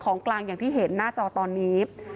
ของกลางอย่างที่เห็นหน้าจอตอนนี้